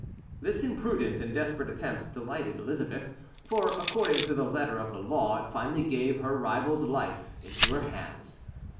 This imprudent and desperate attempt delighted Elizabeth, for, according to the letter of the law, it finally gave her rival's life into her hands.